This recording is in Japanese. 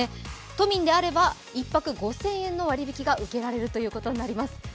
都民であれば、１泊５００００円の割引が受けられるということです。